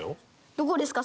どこですか？